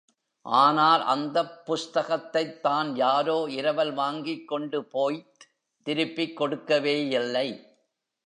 ஆனால், அந்தப் புஸ்தகத்தைத்தான் யாரோ இரவல் வாங்கிக்கொண்டு போய்த் திருப்பிக் கொடுக்கவேயில்லை.